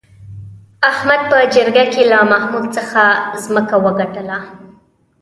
احمد په جرگه کې له محمود څخه ځمکه وگټله